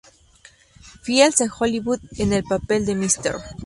Fields en Hollywood, en el papel de Mrs.